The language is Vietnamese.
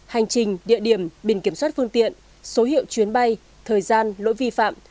hành trình địa điểm biển kiểm soát phương tiện số hiệu chuyến bay thời gian lỗi vi phạm